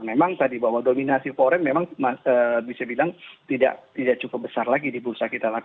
memang tadi bahwa dominasi foreign memang bisa dibilang tidak cukup besar lagi di bursa kita